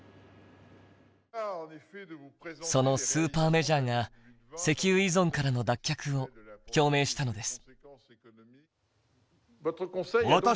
そのスーパーメジャーが石油依存からの脱却を表明したのです。